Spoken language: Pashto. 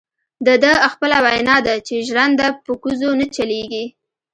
دده خپله وینا ده چې ژرنده په کوزو نه چلیږي.